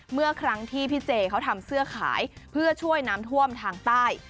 เมื่อครั้งที่พี่เจเขาทำเสื้อขายเพื่อช่วยน้ำท่วมทางใต้